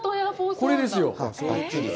これですよ。